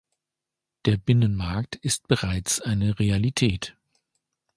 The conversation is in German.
Der Binnenmarkt ist bereits eine Realität.